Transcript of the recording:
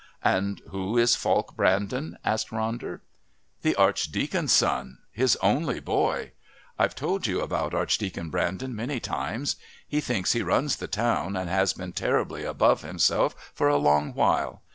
"And who is Falk Brandon?" asked Ronder. "The Archdeacon's son. His only boy. I've told you about Archdeacon Brandon many times. He thinks he runs the town and has been terribly above himself for a long while.